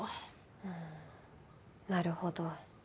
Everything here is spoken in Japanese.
うーんなるほど。